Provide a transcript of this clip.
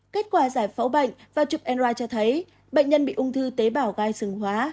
kết quả giải phẫu bệnh và chụp anri cho thấy bệnh nhân bị ung thư tế bào gai sừng hóa